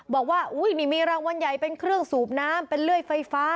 บอกว่าอุ้ยนี่มีรางวัลใหญ่เป็นเครื่องสูบน้ำเป็นเลื่อยไฟฟ้า